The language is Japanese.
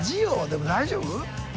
でも大丈夫？